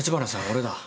俺だ。